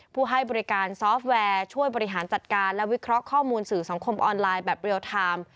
ให้บริการซอฟต์แวร์ช่วยบริหารจัดการและวิเคราะห์ข้อมูลสื่อสังคมออนไลน์แบบเรียลไทม์